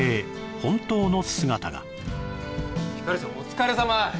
本当の姿が光ちゃんお疲れさま